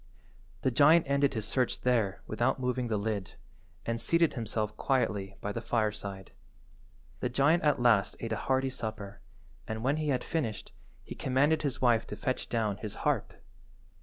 The giant ended his search there without moving the lid, and seated himself quietly by the fireside. The giant at last ate a hearty supper, and when he had finished, he commanded his wife to fetch down his harp.